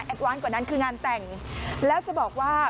หวานกว่านั้นคืองานแต่งแล้วจะบอกว่า